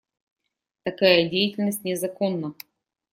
Такая деятельность незаконна.